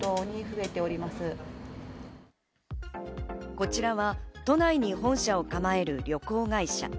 こちらは都内に本社を構える旅行会社。